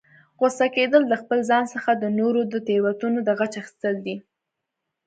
غوسه کیدل، د خپل ځان څخه د نورو د تیروتنو د غچ اخستل دي